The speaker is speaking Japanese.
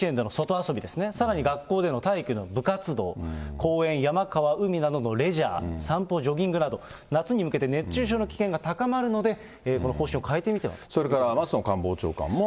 保育所、幼稚園での外遊びですね、さらに学校での体育の部活動、公園、山、川、海などのレジャー、散歩、ジョギングなど、夏に向けて熱中症の危険が高まるので、方それから松野官房長官も。